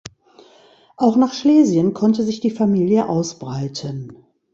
Auch nach Schlesien konnte sich die Familie ausbreiten.